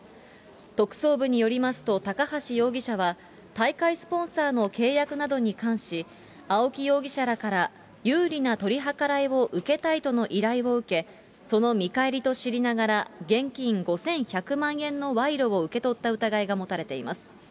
特捜部によりますと、高橋容疑者は、大会スポンサーの契約などに関し、青木容疑者らから有利な取り計らいを受けたいとの依頼を受け、その見返りと知りながら、現金５１００万円の賄賂を受け取った疑いが持たれています。